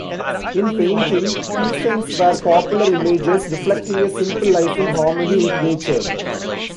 In painting, peasants were popular images, reflecting a simple life in harmony with nature.